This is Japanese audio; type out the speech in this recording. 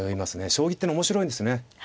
将棋ってね面白いんですね。